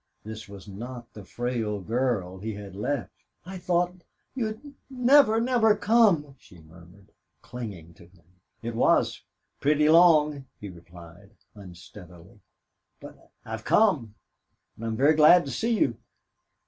This was not the frail girl he had left. "I thought you'd never, never come," she murmured, clinging to him. "It was pretty long," he replied, unsteadily. "But I've come.... And I'm very glad to see you."